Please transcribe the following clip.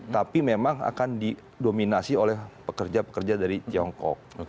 tapi memang akan didominasi oleh pekerja pekerja dari tiongkok